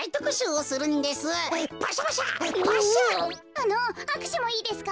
あのあくしゅもいいですか？